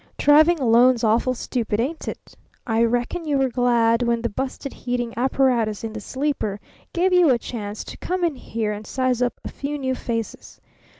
"Traveling alone's awful stupid, ain't it? I reckon you were glad when the busted heating apparatus in the sleeper gave you a chance to come in here and size up a few new faces.